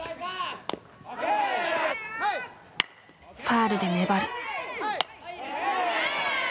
ファウルで粘る。